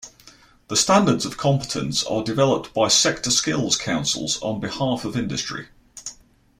The standards of competence are developed by Sector Skills Councils on behalf of industry.